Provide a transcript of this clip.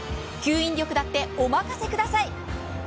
吸引力だって、お任せください。